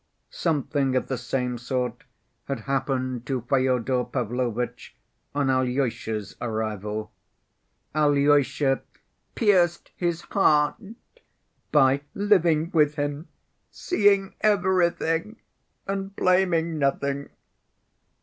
Something of the same sort had happened to Fyodor Pavlovitch on Alyosha's arrival. Alyosha "pierced his heart" by "living with him, seeing everything and blaming nothing."